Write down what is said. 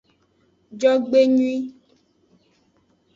Jogbenyui.